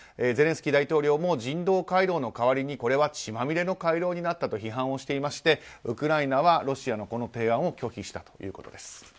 ゼレンスキー大統領も人道回廊の代わりにこれは血まみれの回廊になったと批判をしていましてウクライナはロシアの提案を拒否したということです。